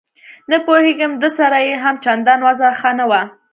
نه پوهېږم ده سره یې هم چندان وضعه ښه نه وه.